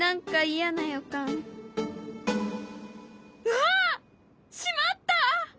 うわっしまった！